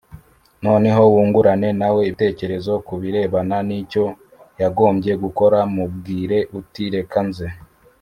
Noneho wungurane na we ibitekerezo ku birebana n icyo yagombye gukora Mubwire uti reka nze